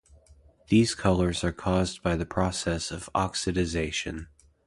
These colours are caused by the process of oxidisation.